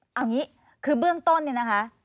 เอางี้คือเบื้องต้นเนี่ยนะคะ